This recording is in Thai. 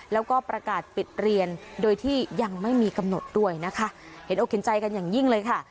แล้วก็ประกาศปิดเรียนโดยที่ยังไม่มีกำหนดด้วยนะคะเห็นอกเห็นใจกันอย่างยิ่งเลยค่ะ